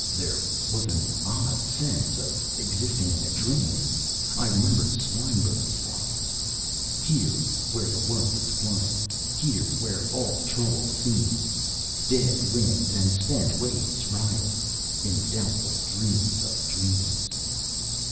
There was an odd sense of existing in a dream. I remembered Swinburne's lines: _Here, where the world is quiet, Here, where all trouble seems Dead winds' and spent waves' riot In doubtful dreams of dreams....